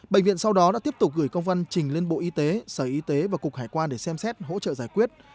bệnh viện sau đó đã tiếp tục gửi công văn trình lên bộ y tế sở y tế và cục hải quan để xem xét hỗ trợ giải quyết